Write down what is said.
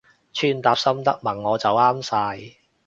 穿搭心得問我就啱晒